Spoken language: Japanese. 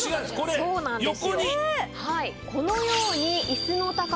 そうなんです。